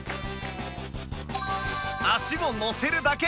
足を乗せるだけ